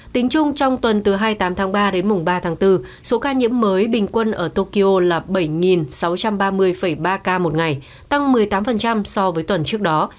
tính chung trong tuần từ hai mươi tám tháng ba đến mùng ba tháng bốn số ca nhiễm mới bình quân ở tokyo là bảy sáu trăm ba mươi ba ca một ngày tăng một mươi tám so với tuần trước đó